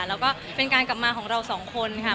แล้วก็เป็นการกลับมาของเราสองคนค่ะ